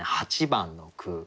８番の句。